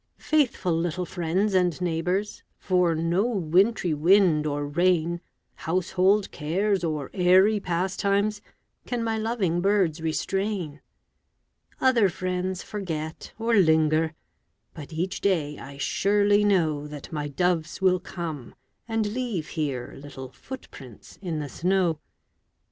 Faithful little friends and neighbors, For no wintry wind or rain, Household cares or airy pastimes, Can my loving birds restrain. Other friends forget, or linger, But each day I surely know That my doves will come and leave here Little footprints in the snow.